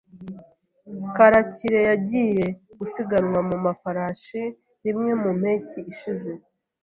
Karakire yagiye gusiganwa ku mafarashi rimwe mu mpeshyi ishize.